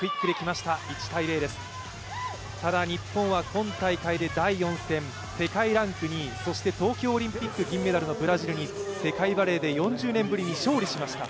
日本は今大会で第４戦、世界ランク２位、そして東京オリンピック銀メダルのブラジルに世界バレーで４０年ぶりに勝利しました。